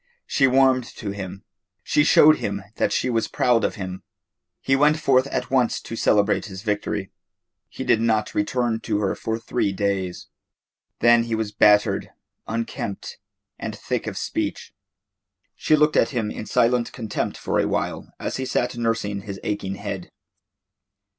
She warmed to him. She showed him that she was proud of him. He went forth at once to celebrate his victory. He did not return to her for three days. Then he was battered, unkempt, and thick of speech. She looked at him in silent contempt for a while as he sat nursing his aching head.